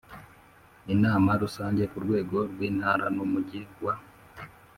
Inama Rusange ku rwego rw Intara n Umujyi wa